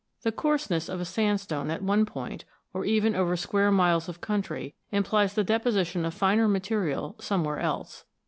The coarseness of a sandstone at one point, or even over square miles of country, implies the deposition of finer material somewhere else.